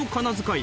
い。